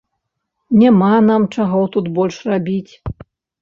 Няма нам чаго тут больш рабіць!